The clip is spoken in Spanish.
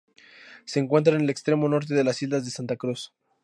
Se encuentra en el extremo norte de las islas de Santa Cruz.